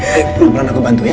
baik pelan pelan aku bantu ya